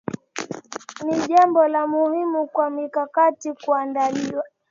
Ni jambo la muhimu kwa mikakati kuandaliwa